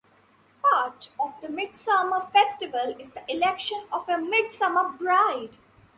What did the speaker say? Part of the midsummer festival is the election of a Midsummer Bride.